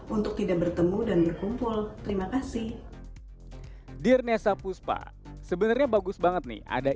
untuk tidak bertemu dan berkumpul terima kasih dirnesa puspa sebenarnya bagus banget nih ada